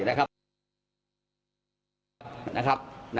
นะครับ